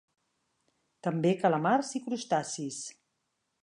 També calamars i crustacis.